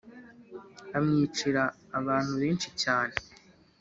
Amwicira abantu benshi cyane